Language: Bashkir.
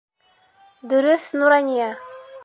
Дөрөҫ, Нурания!